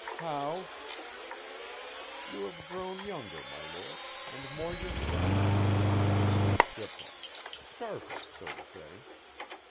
"How?" "You have grown younger, my Lord, and more yourself, and you speak different sharper, so to say."